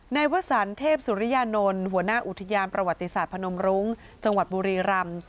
วสันเทพสุริยานนท์หัวหน้าอุทยานประวัติศาสตร์พนมรุ้งจังหวัดบุรีรำ